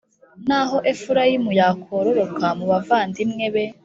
Naho Efurayimu yakororoka mu bavandimwe be,